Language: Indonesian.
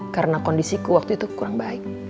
karena kondisiku waktu itu kurang baik